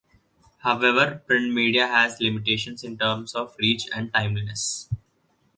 However, print media had limitations in terms of reach and timeliness.